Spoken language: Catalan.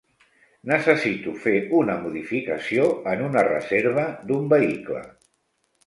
Necessito fer una modificació en una reserva d'un vehicle.